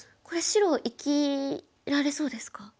これ白生きられそうですか？